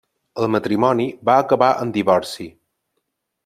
El matrimoni va acabar en divorci.